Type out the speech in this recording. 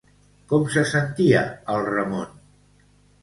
Com se sentia el Ramon?